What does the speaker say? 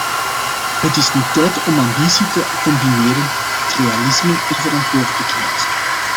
Het is nu tijd om ambitie te combineren met realisme en verantwoordelijkheid.